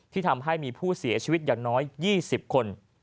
ทำให้มีผู้เสียชีวิตอย่างน้อย๒๐คน